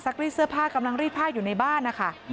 รีดเสื้อผ้ากำลังรีดผ้าอยู่ในบ้านนะคะ